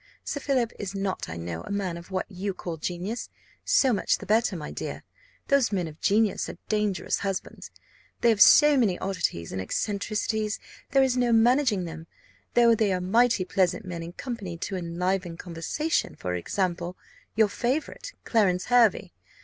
Sir Philip is not, I know, a man of what you call genius. So much the better, my dear those men of genius are dangerous husbands; they have so many oddities and eccentricities, there is no managing them, though they are mighty pleasant men in company to enliven conversation; for example, your favourite, Clarence Hervey.